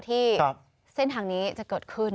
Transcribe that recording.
ที่เส้นทางนี้จะเกิดขึ้น